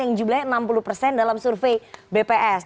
yang jumlahnya enam puluh persen dalam survei bps